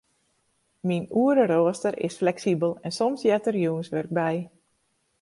Myn oereroaster is fleksibel en soms heart der jûnswurk by.